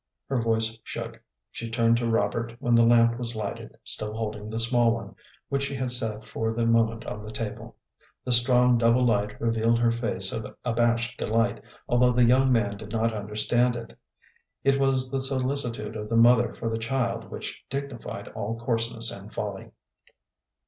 Her voice shook. She turned to Robert when the lamp was lighted, still holding the small one, which she had set for the moment on the table. The strong double light revealed her face of abashed delight, although the young man did not understand it. It was the solicitude of the mother for the child which dignified all coarseness and folly.